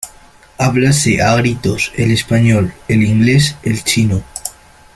hablase a gritos el español, el inglés , el chino.